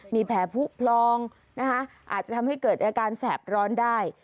มีแผลผู้พลองนะคะอาจจะทำให้เกิดอาการแสบร้อนได้